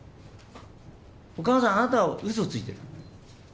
お母さん、あなたはうそついてる。